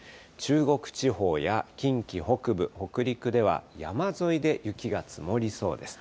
中国地方や近畿北部、北陸では山沿いで雪が積もりそうです。